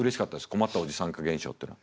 困ったおじさん化現象っていうのは。